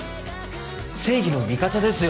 正義の味方ですよ